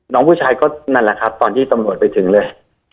น้องผู้ชายก็นั่นแหละครับตอนที่ตำรวจไปถึงเลย